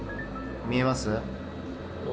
見えます？